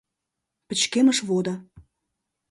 Пычкемыш водо